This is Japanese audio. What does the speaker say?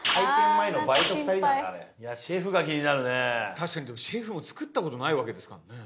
確かにでもシェフも作ったことないわけですからね。